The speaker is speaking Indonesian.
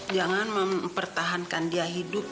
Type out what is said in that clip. jangan mempertahankan dia hidup